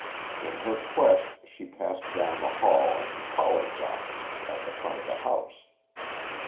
In her quest she passed down the hall and to Pollard's office at the front of the house.